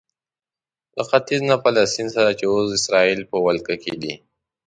له ختیځ نه له فلسطین سره چې اوس اسراییل په ولکه کې دی.